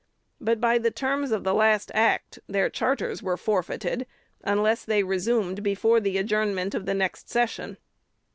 But, by the terms of the last act, their charters were forfeited unless they resumed before the adjournment of the next session.